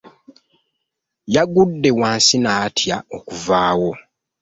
Yagudde wansi n'atya okuvawo.